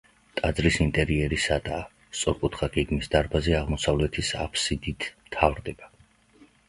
ტაძრის ინტერიერი სადაა, სწორკუთხა გეგმის დარბაზი აღმოსავლეთის აფსიდით მთავრდება.